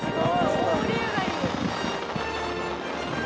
大盛り上がり。